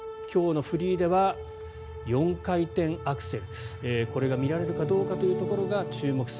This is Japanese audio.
今日のフリーでは４回転アクセルこれが見られるかどうかというところが注目。